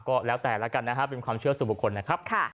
ก็แล้วแต่แล้วกันนะฮะเป็นความเชื่อสู่บุคคลนะครับ